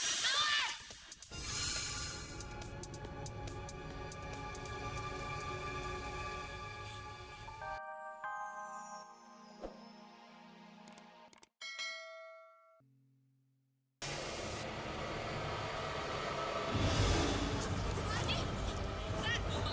selamat pagi fatima